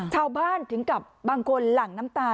ชาวบ้านถึงกลับบังกลหลั่งน้ำตา